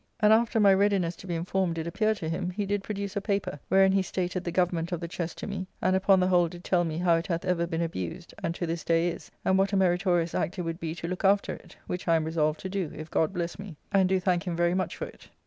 ] and after my readiness to be informed did appear to him, he did produce a paper, wherein he stated the government of the Chest to me; and upon the whole did tell me how it hath ever been abused, and to this day is; and what a meritorious act it would be to look after it; which I am resolved to do, if God bless me; and do thank him very much for it.